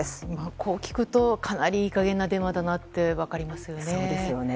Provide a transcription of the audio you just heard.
こう聞くとかなり、いい加減なデマだなと分かりますよね。